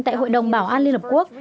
tại hội đồng bảo an liên hợp quốc